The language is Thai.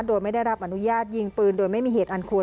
โดยไม่ได้รับอนุญาตยิงปืนโดยไม่มีเหตุอันควร